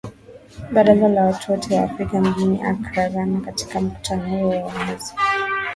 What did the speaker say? Baraza la watu wote wa Afrika mjini Accra Ghana katika mkutano huo wa mwezi